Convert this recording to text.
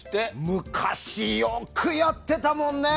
昔よくやってたもんね。